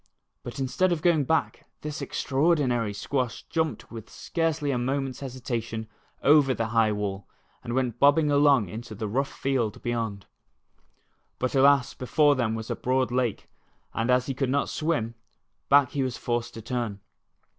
But instead of going back, this extraordinaiy* squash jumped with scarcely a moments hesitation over the high wall, and went bobbing along into the rough tield bevond. But alas, before them was a broad lake, and as he could not swim, back he was forced to turn.